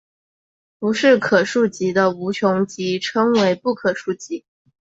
不是可数集的无穷集称为不可数集。